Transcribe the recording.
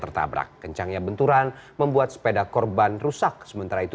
tertabrak kencangnya benturan membuat sepeda korban rusak sementara itu